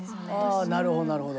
あなるほどなるほど。